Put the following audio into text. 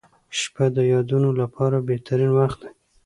• شپه د یادونو لپاره بهترین وخت دی.